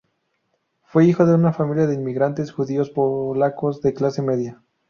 Fue hijo de una familia de inmigrantes judíos polacos de clase media.